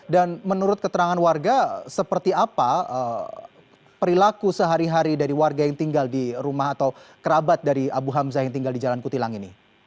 dan menurut keterangan warga seperti apa perilaku sehari hari dari warga yang tinggal di rumah atau kerabat abu hamzah yang tinggal di jalan kutilang ini